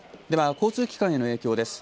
交通機関への影響です。